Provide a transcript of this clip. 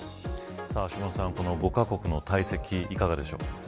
橋下さん５カ国の退席いかがでしょう。